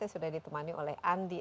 ekspedisi indonesia prima